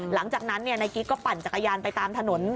หลังจากนั้นเนี่ยในกิ๊กก็ปั่นจักรยานไปตามถนน